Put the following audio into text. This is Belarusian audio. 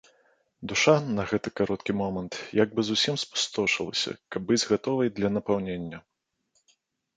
Душа на гэты кароткі момант як бы зусім спустошылася, каб быць гатовай для напаўнення.